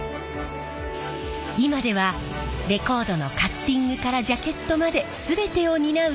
今ではレコードのカッティングからジャケットまで全てを担う